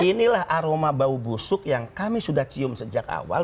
inilah aroma bau busuk yang kami sudah cium sejak awal